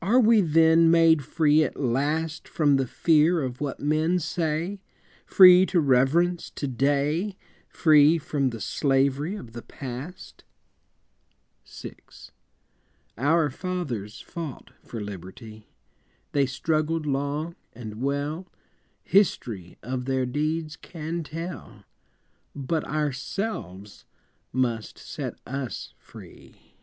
Are we then made free at last From the fear of what men say, Free to reverence To day, Free from the slavery of the Past? VI. Our fathers fought for liberty, They struggled long and well, History of their deeds can tell But ourselves must set us free.